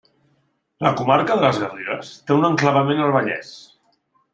La comarca de les Garrigues té un enclavament al Vallès.